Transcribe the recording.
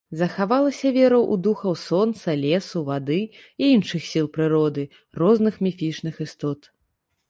Захавалася вера ў духаў сонца, лесу, вады і іншых сіл прыроды, розных міфічных істот.